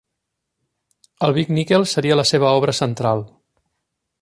El Big Nickel seria la seva obra central.